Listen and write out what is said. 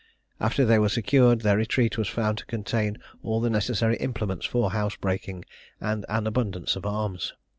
After they were secured, their retreat was found to contain all the necessary implements for housebreaking, and abundance of arms.